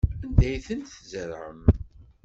Anda ay tent-tzerɛem?